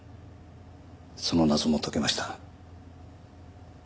その謎も解けました。